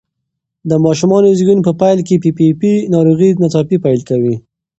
د ماشوم زېږون په پیل کې پي پي پي ناروغي ناڅاپي پیل کوي.